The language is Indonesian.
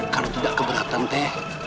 kalau tidak keberatan teh